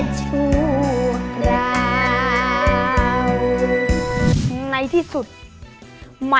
สวัสดีนะคะ